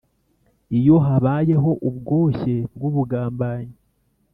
iyo habayeho ubwoshye bw ubugambanyi